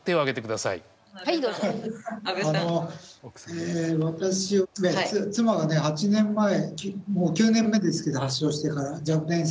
あの私の妻がね８年前もう９年目ですけど発症してから若年性。